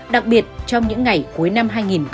đặc biệt trong những ngày cuối năm hai nghìn một mươi tám